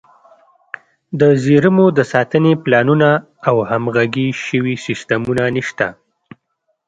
د زیرمو د ساتنې پلانونه او همغږي شوي سیستمونه نشته.